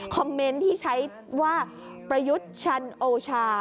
เมนต์ที่ใช้ว่าประยุทธ์ชันโอชา